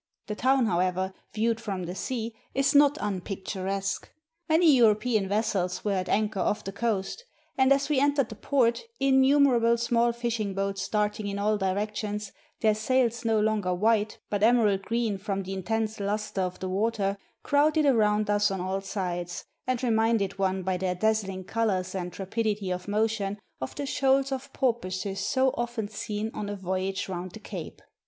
The town, however, viewed from the sea, is not unpicturesque. Many European vessels were at anchor off the coast: and as we entered the port, in numerable small fishing boats darting in all directions, their sails no longer white, but emerald green from the intense luster of the water, crowded around us on all sides, and reminded one by their dazzHng colors and rapidity of motion of the shoals of porpoises so often seen on a voyage round the Cape.